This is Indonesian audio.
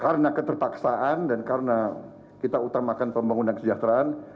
karena ketertaksaan dan karena kita utamakan pembangunan kesejahteraan